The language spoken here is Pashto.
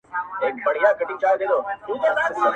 ته پاچا یې خدای درکړی سلطنت دئ؛